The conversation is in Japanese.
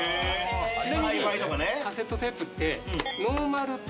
ちなみにカセットテープって。